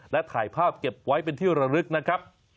และถ่ายภาพเก็บไว้เป็นที่ระลึกนะครับ